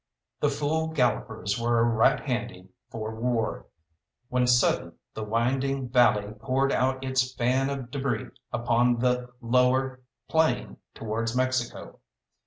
The fool gallopers were right handy for war, when sudden the winding valley poured out its fan of débris upon the lower plain towards Mexico.